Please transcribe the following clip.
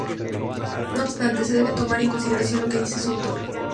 No obstante, se debe tomar en consideración lo que dice su autor.